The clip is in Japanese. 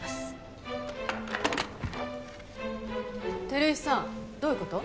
照井さんどういう事？